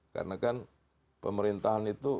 karena kan pemerintahan itu